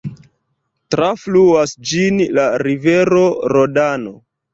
Trafluas ĝin la rivero Rodano.